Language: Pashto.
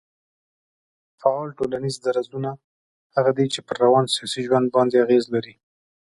فعاله ټولنيز درځونه هغه دي چي پر روان سياسي ژوند باندي اغېز لري